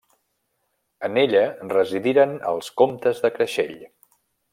En ella residiren els Comtes de Creixell.